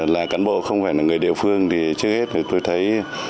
là cán bộ không phải là người địa phương thì trước hết tôi thấy